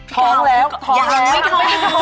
พี่ก้าวท้องแล้ว